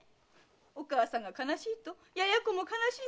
お母さんが悲しいとやや子も悲しいんだってさ。